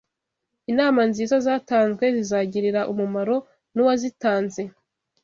Inama nziza zatanzwe zizagirira umumaro n’uwazitanze